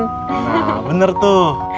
hah bener tuh